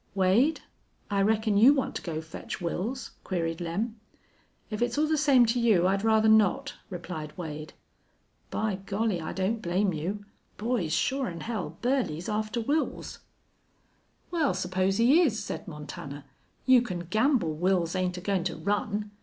"Wade, I reckon you want to go fetch Wils?" queried Lem. "If it's all the same to you. I'd rather not," replied Wade. "By Golly! I don't blame you. Boys, shore'n hell, Burley's after Wils." "Wal, suppos'n' he is," said Montana. "You can gamble Wils ain't agoin' to run.